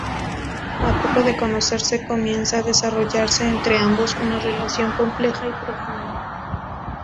A poco de conocerse comienza a desarrollase entre ambos una relación compleja y profunda.